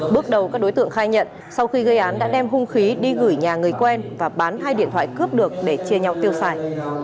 bước đầu các đối tượng khai nhận sau khi gây án đã đem hung khí đi gửi nhà người quen và bán hai điện thoại cướp được để chia nhau tiêu xài